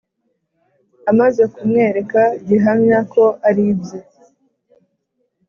Amaze kumwereka gihamya ko ari ibye